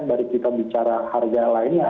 baru kita bicara harga lainnya